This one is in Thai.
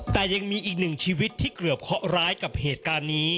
แต่ยังมีอีกหนึ่งชีวิตที่เกือบเคาะร้ายกับเหตุการณ์นี้